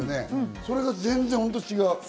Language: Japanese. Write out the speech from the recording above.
それが全然違う。